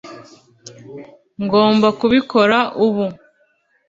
ngomba kubikora ubu